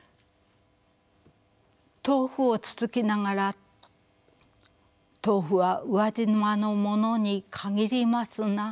豆腐をつつきながら「豆腐は宇和島のものに限りますな」。